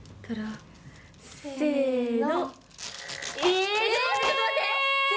せの！